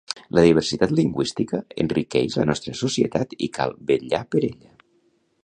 La diversitat lingüística enriqueix la nostra societat i cal vetllar per ella.